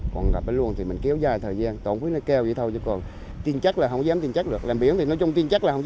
còn gặp cái luồng thì mình kéo dài thời gian